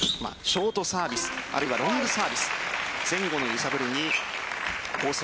ショートサービスあるいはロングサービス前後の揺さぶりにコース